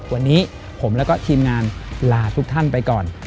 วันนี้ผมแล้วก็ทีมงานลาทุกท่านไปก่อน